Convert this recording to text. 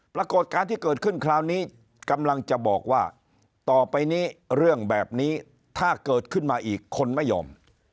ปรากฏการณ์ที่เกิดขึ้นคราวนี้กำลังจะบอกว่าต่อไปนี้เรื่องแบบนี้ถ้าเกิดขึ้นมาอีกคนไม่ยอม